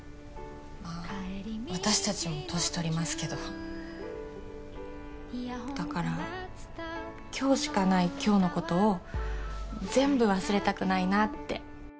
まあ私達も年取りますけどだから今日しかない今日のことを全部忘れたくないなって